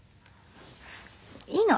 いいの。